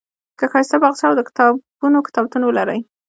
که ښایسته باغچه او د کتابونو کتابتون ولرئ.